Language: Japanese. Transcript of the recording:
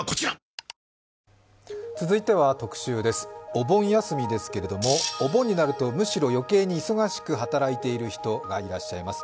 お盆休みですがお盆になるとむしろ余計に忙しく働いていらっしゃる方がいらっしゃいます。